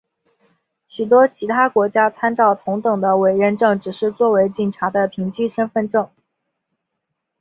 许多其他国家参照同等的委任证只是作为警察的凭据身份证。